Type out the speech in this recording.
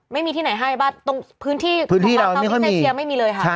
ไม่มีที่ไหนให้บ้านประเทศไทยเรายังไม่มีเลยค่ะ